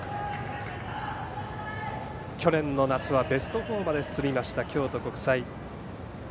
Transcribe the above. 去年の夏はベスト４まで進んだ京都国際。